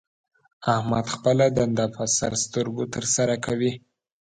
احمد خپله دنده په سر سترګو تر سره کوي.